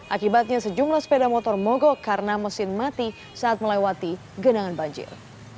akibatnya sejumlah sepeda motor mogok karena mesin mati saat melewati genangan banjir